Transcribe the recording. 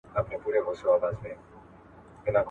ایمیلي وايي دوی هر وخت راولي.